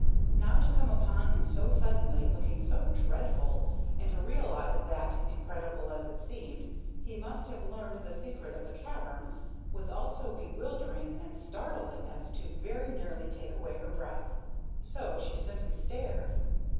Now to come upon him so suddenly, looking so dreadful, and to realize that, incredible as it seemed, he must have learned the secret of the cavern, was all so bewildering and startling as to very nearly take away her breath. So she simply stared.